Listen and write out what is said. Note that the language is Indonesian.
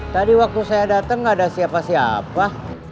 tadi waktu saya dateng gak ada siapa siapa